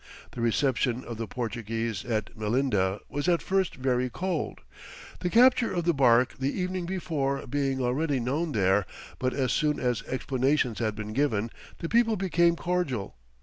The reception of the Portuguese at Melinda was at first very cold, the capture of the barque the evening before being already known there, but as soon as explanations had been given, the people became cordial.